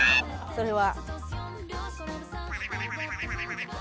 それは。